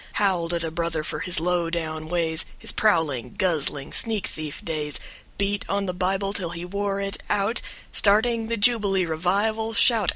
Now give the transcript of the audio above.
Howled at a brother for his low down ways, His prowling, guzzling, sneak thief days. Beat on the Bible till he wore it out Starting the jubilee revival shout.